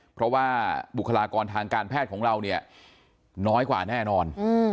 เพราะว่าบุคลากรทางการแพทย์ของเราเนี่ยน้อยกว่าแน่นอน